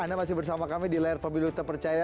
anda masih bersama kami di layar pemilu terpercaya